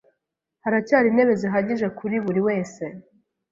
Haracyari intebe zihagije kuri buri wese?